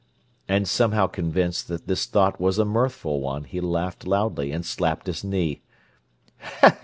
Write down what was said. And, somehow convinced that this thought was a mirthful one, he laughed loudly, and slapped his knee.